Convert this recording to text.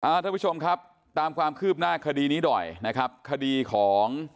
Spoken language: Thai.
เอาละทีมันชมครับตามความคืบหน้าคดีนี้ด่อยนะครับคดีของ